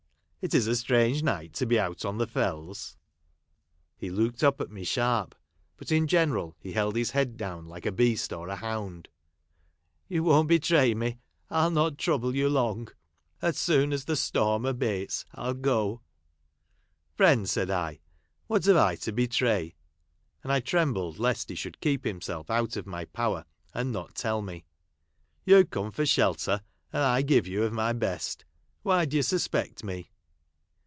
" It is a strange night to be out on the fells." Charles Dickens.] THE HEART OF JOHN MIDDLETON. 333 He looked up at me sharp ; but in general lie held his head down like a beast or hound, " You won't betray me. I '11 not trouble you long. As soon as the storm abates 1 '11 go." ." Friend !" said I, " what have I to betray 1 " and I trembled lest he should keep himself out of my power and not tell me " You come for shelter, and I give you of my best. Why do you suspect me